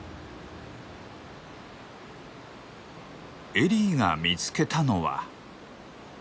エリーが見つけたのは。